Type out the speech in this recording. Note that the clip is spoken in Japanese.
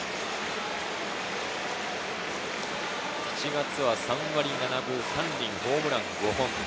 ８月は３割７分３厘、ホームラン５本。